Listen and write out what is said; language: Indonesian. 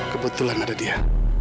kebetulan ada dia